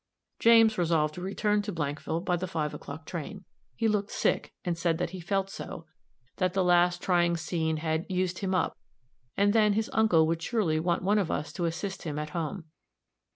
James resolved to return to Blankville by the five o'clock train. He looked sick, and said that he felt so that the last trying scene had "used him up;" and then, his uncle would surely want one of us to assist him at home.